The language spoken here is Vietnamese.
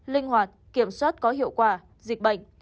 linh hoạt kiểm soát có hiệu quả dịch bệnh